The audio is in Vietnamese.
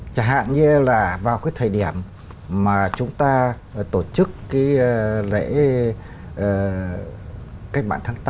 chẳng hạn như là vào cái thời điểm mà chúng ta tổ chức cái lễ cách mạng tháng tám